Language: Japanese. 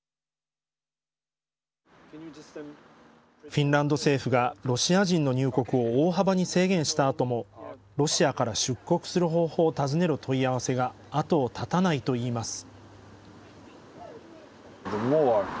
フィンランド政府がロシア人の入国を大幅に制限したあともロシアから出国する方法を尋ねる問い合わせが後を絶たないといいます。